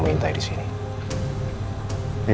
mengintai di sini hai